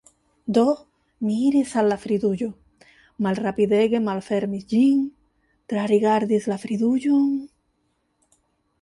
Do mi iris al la fridujo, malrapidege malfermis ĝin, trarigardis la fridujon...